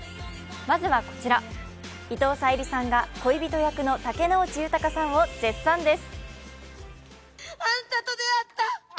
まずはこちら、伊藤沙莉さんが恋人役の竹野内豊さんを絶賛です。